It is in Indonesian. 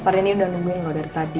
tari ini udah nungguin lo dari tadi